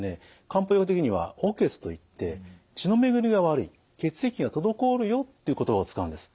漢方医学的には血といって血の巡りが悪い血液が滞るよっていう言葉を使うんです。